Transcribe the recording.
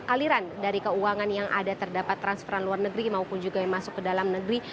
aliran dari keuangan yang ada terdapat transferan luar negeri maupun juga yang masuk ke dalam negeri